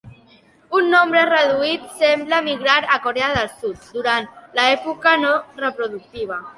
Un nombre reduït sembla migrar a Corea del Sud durant l'època de no reproductiva.